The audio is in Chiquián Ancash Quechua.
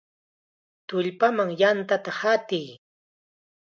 ¡Tullpaman yantata hatiy!